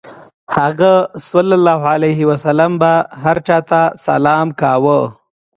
هغه ﷺ به هر چا ته سلام کاوه.